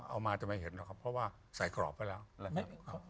เอามาจะไม่เห็นหรอกครับเพราะว่าใส่ขรอบไปแล้ว